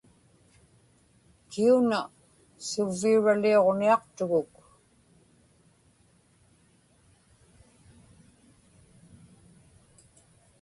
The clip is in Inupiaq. kiuna suvviuraliuġniaqtuguk